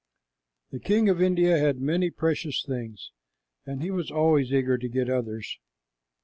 The king of India had many precious things, and he was always eager to get others.